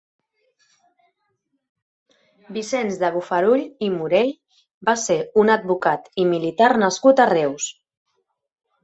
Vicenç de Bofarull i Morell va ser un advocat i militar nascut a Reus.